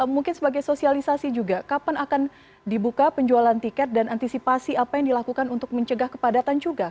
mungkin sebagai sosialisasi juga kapan akan dibuka penjualan tiket dan antisipasi apa yang dilakukan untuk mencegah kepadatan juga